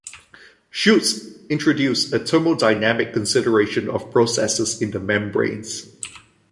Schulz introduced a thermodynamic consideration of processes in the membranes.